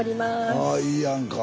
あいいやんか。